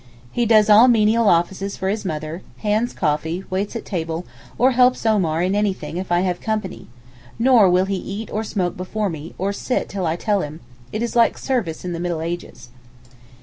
He does all 'menial offices' for his mother, hands coffee, waits at table or helps Omar in anything if I have company, nor will he eat or smoke before me, or sit till I tell him—it is like service in the middle ages.